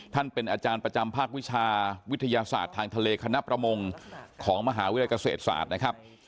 ท่านเป็นอาจารย์ประจำภาควิชาวิทยาศาสตร์ทางทะเลคณะประมงของมหาวิทยาลัยเกษตรศาสตร์นะครับ